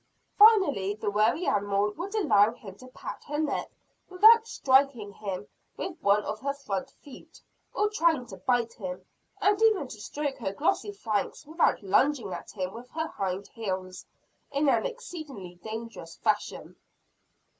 Finally, the wary animal would allow him to pat her neck without striking at him with one of her front feet, or trying to bite him; and even to stroke her glossy flanks without lunging at him with her hind heels, in an exceedingly dangerous fashion.